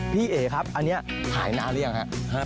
พี่เอ๊ครับอันนี้หายหน้าหรือยังครับ